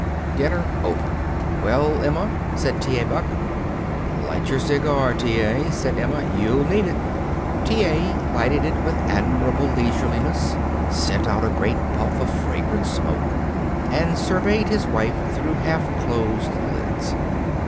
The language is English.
Dinner over, "Well, Emma?" said T. A. Buck. "Light your cigar, T. A.," said Emma. "You'll need it." T. A. lighted it with admirable leisureliness, sent out a great puff of fragrant smoke, and surveyed his wife through half closed lids.